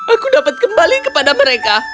aku dapat kembali kepada mereka